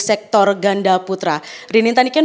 sektor ganda putra rinita niken